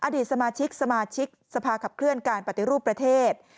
อดีตสมาชิกสมาชิกสภาขับเคลื่อนการปฏิรูปประเทศ